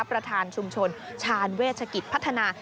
ประธานชุมชนชาญเวชกิจพัฒนา